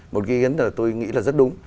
một cái ý kiến tôi nghĩ là rất đúng